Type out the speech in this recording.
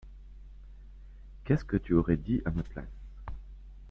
Qu’est-ce que tu aurais dit à ma place ?